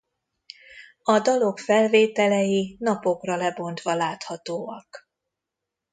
A dalok felvételei napokra lebontva láthatóak.